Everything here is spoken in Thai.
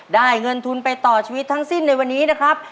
ได้เงินทุนไปต่อชีวิตทั้งสิ้นในวันนี้นะครับ